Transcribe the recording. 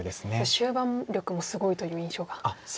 終盤力もすごいという印象がありますよね。